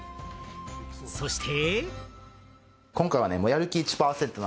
そして。